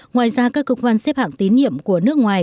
ngoài ra các cơ quan xếp hạng tín nhiệm của nước ngoài